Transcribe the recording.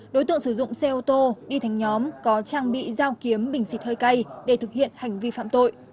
đối tượng sử dụng xe ô tô đi thành nhóm có trang bị dao kiếm bình xịt hơi cay để thực hiện hành vi phạm tội